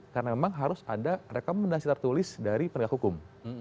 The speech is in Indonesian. karena memang harus ada rekomendasi tertulis dari pergak hukum